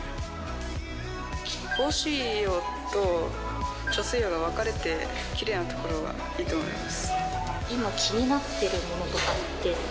胞子葉と貯水葉がわかれてキレイなところがいいと思います。